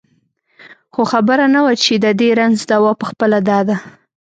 خو خبره نه وه چې د دې رنځ دوا پخپله دا ده.